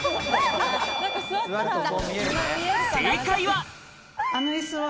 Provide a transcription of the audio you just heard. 正解は。